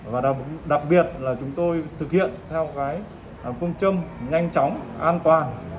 và đặc biệt là chúng tôi thực hiện theo cái philch stewm nhanh chóng an toàn